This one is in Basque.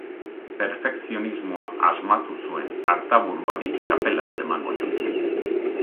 Perfekzionismoa asmatu zuen artaburuari txapelaz emango nioke.